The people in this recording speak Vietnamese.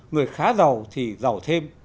người khá giàu thì giàu thêm